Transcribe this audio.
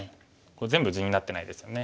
これ全部地になってないですよね。